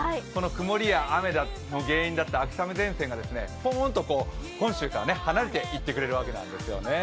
曇りや雨の原因だった秋雨前線がぽーんと本州から離れていってくれるわけなんですね。